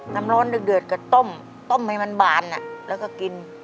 น้ำร้อนเดือดก็ต้มต้มให้มันบานแล้วก็กิน